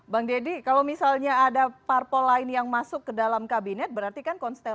bang deddy kalau misalnya ada parpol lain yang masuk ke dalam kabinet berarti kan konstelasi